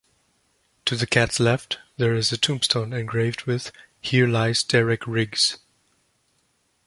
To the cat's left, there is a tombstone engraved with "Here lies Derek Riggs".